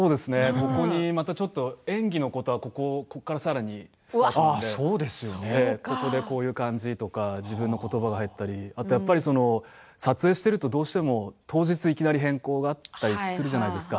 ここに演技のこと、ここからさらにスタートなのでここでこういう感じとか自分のことばが入ったり撮影していると、どうしても当日いきなり変更があったりするじゃないですか。